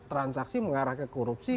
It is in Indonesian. transaksi mengarah ke korupsi